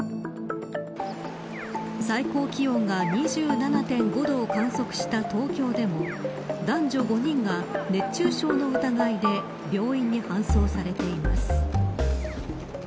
最高気温が２７．５度を観測した東京でも男女５人が熱中症の疑いで病院に搬送されています。